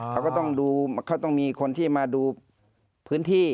เขาก็ต้องมีคนที่มาดูพื้นที่